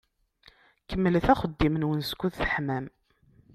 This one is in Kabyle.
Kemmlet axeddim-nwen skud teḥmam.